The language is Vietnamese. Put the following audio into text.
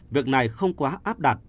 việc này không quá áp đặt